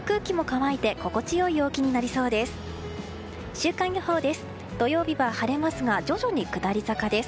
週間予報です。